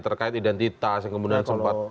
terkait identitas yang kemudian sempat